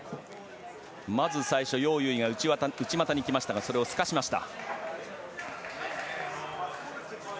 まず最初、ヨウ・ユウイが内股にきましたがそれをすかしました。